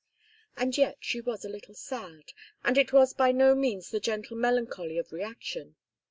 And yet she was a little sad, and it was by no means the gentle melancholy of reaction.